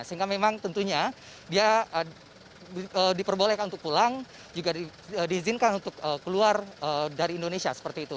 sehingga memang tentunya dia diperbolehkan untuk pulang juga diizinkan untuk keluar dari indonesia seperti itu